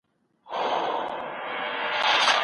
اوړی تېر سو لا غنم مو نه پخېږي